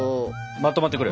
まとまってくる。